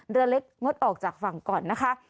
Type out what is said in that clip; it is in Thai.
เรือเล็กงดออกจากฝั่งก่อนนะคะ